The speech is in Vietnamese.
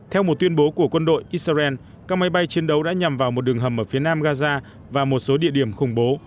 theo một tuyên bố của quân đội israel các máy bay chiến đấu đã nhằm vào một đường hầm ở phía nam gaza và một số địa điểm khủng bố